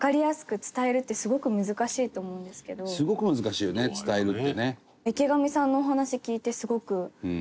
やっぱりすごく難しいよね伝えるってね。